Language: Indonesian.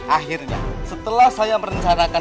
akhirnya setelah saya merencanakan